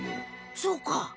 そうか！